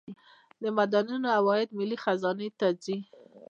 د معدنونو عواید ملي خزانې ته ځي